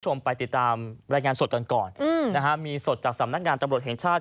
ซ่อมไปติดตามรายการสดก่อนนะฮะมีสดจากสำนักงานตำบรจแห่งชาติ